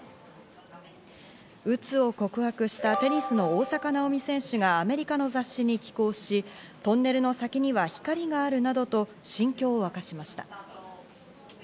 うつを告白したテニスの大坂なおみ選手がアメリカの雑誌に寄稿し、トンネルの先には光があるなどと心境を明かしました。